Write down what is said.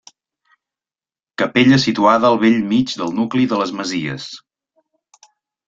Capella situada al bell mig del nucli de les Masies.